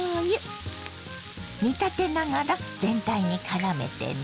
煮立てながら全体にからめてね。